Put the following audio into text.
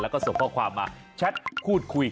แล้วก็ส่งข้อความมาแชทพูดคุย